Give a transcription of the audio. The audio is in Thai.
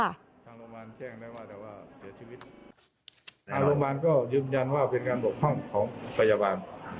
อารมณ์ก็ยืนยันว่าเป็นการหลบข้องของพยาบาล